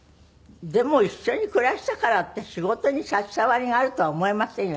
でも一緒に暮らしたからって仕事に差し障りがあるとは思いませんよ